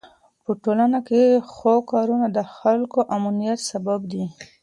په ټولنه کې ښو کارونه د خلکو د امنيت سبب دي.